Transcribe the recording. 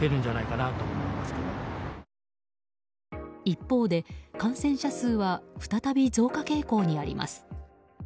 一方で、感染者数は再び増加傾向にあります。